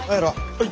はい。